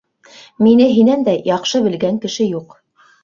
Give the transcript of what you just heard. Мине һинән дә яҡшы белгән кеше юҡ.